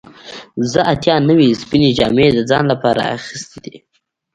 زه اتیا نوي سپینې جامې د ځان لپاره اخیستې دي.